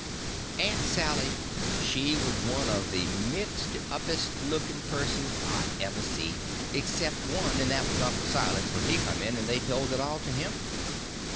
Aunt Sally she was one of the mixed upest looking persons I ever see—except one, and that was Uncle Silas, when he come in and they told it all to him.